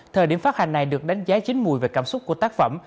thời điểm phát hành này được đánh giá chính mùi về cảm xúc của tác phẩm